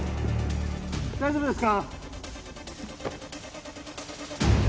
大丈夫ですか？